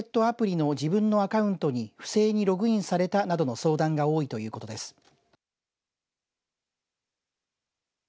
アプリの自分のアカウントに不正にログインされたなどの相談が多いということです。